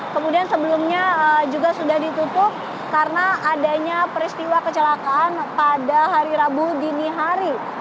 kemudian sebelumnya juga sudah ditutup karena adanya peristiwa kecelakaan pada hari rabu dini hari